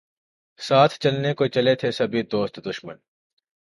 ساتھ چلنے کو چلے تھے سبھی دوست دشمن